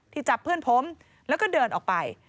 จับเพื่อนผมแล้วก็เดินออกไป